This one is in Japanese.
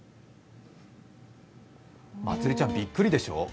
まつりちゃん、びっくりでしょう？